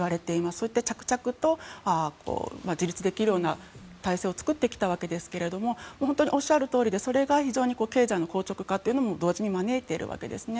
そうやって着々と自立できるような体制を作ってきたわけですがおっしゃるとおりでそれが非常に経済の硬直化を同時に招いているわけですね。